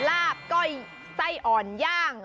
อันนี้สอยย่าง